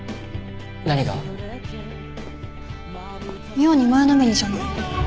妙に前のめりじゃない？